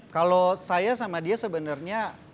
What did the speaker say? kalau saya sama dia sebenarnya